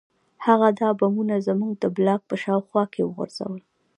هغه دا بمونه زموږ د بلاک په شاوخوا کې وغورځول